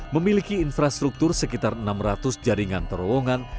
memiliki infrastruktur sekitar enam ratus jaringan terowongan